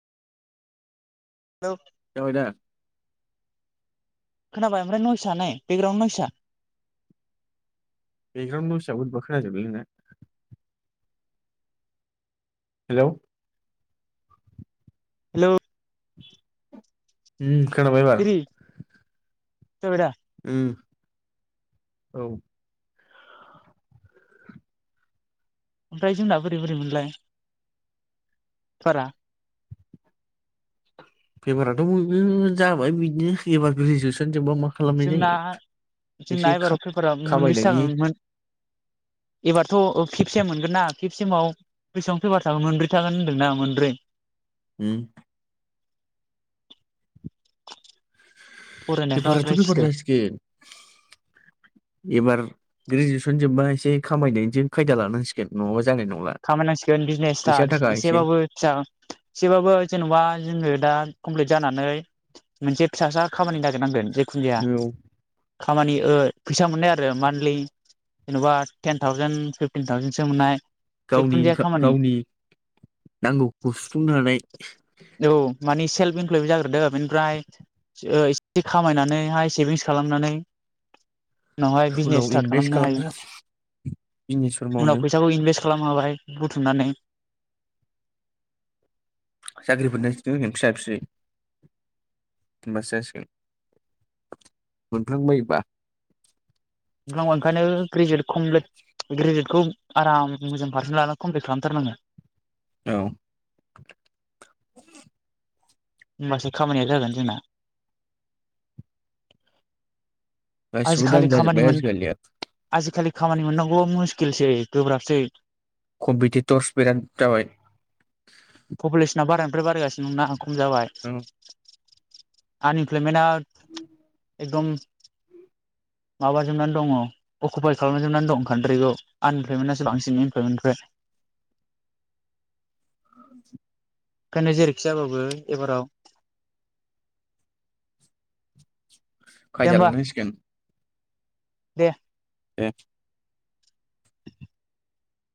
हेल' जाबाय दा खोनाबाय ओमफ्राय नयसा नै बेकग्राउड नयसा बेकग्राउड नइसा बोरैबा खोनाजोबबायलै नोंना हेलौ हेलौ उ खोनाबाय एबार एरि जाबाय दा उम ओमफ्राय जोंना बोरै बोरैमोनलाय पारा पेपाराथ' बयबो जाबाय बिदिनो एबार ग्रेजुवेसन जोबबा मा खालामनाय जोंना जायो एसे जोंना खा एबाराव पेफारा मोनबैसो खामायनायनि जागोन मो एबारथ' ओ फिफसेम मोनगोन ना खेबसेमाव बेसेबां फैबार थागोन मोनब्रै थागोन होनदोंना मोनब्रै उम फरायनायफ्रा पेफाराथ' ओमफ्राय पेफार सिथो जसिगोन एबार ग्रेजुवेसन जोबबा एसे खामायनायनिजों खायदा लानांसिगोन नङाबा ज खामायनांसिगोन बिजनेस स्टार्ट एसे एसेबाबो फिसा एसेबाबो जेन'बा जोङो दा कमप्लिट जानानै मोनसे फिसासा खामानि नागिरनांगोन जेखुन जाया खामानि ओ फैसा मोननाय आरो मान्थलि जेन'बा टेन थावजेन फिफटिन थावजेनसो मोननाय गावनि जेखुनु जाया इनका खामानि गावनि नांगौखौ सुफुंनो हानाय औ मानि सेल्फ इमप्लयि जागोरदो बेनिफ्राय ओ एसे खामायनानैहाय सेभिंस खालामनानै उनावहाय उनाव बिजनेस स्टार्ट इनभेस्ट खालामनो हायो बिजनेसफोर मावनो उनाव फैसाखौ इनभे खालाम हाबाय बुथुमनानै साख्रिफोर [unintelligible] होगोन फिसा फिसै होनबासो जासिगोन मोनफ्लांबायोबा [unintelligible] ओंखायनो ग्रेजुवेट कमप्लिथ ग्रेजुवेट खौ आराम मोजां पारसेन लानानै कमप्लिट खालामथारनांगौ औ होमबासो खामानिया जागोन जोंना गासिबो आजिखालि दाम खामानि जाजोबबाय मोन आजिखालि आजिखालि खामानि मोननांगौवा मुस्किलसै गोब्राबसै कम्पिटिट'रस बिराद जाबाय [unintelligible] बारायगासिनो ना खम जाबाय आनइमप्लयमेना [inaudible] एकदम माबाजोबनानै दङ अकुपाय खालामजोबनानै दं कान्ट्रिखौ आनइमप्लयमेनासो बांसिन इमप्लयमेननिफ्राय आ [unintelligible] ओंखायनो जेरैखि जायाबाबो एबाराव दे खायदा होमबा लानांसिगोन दे ए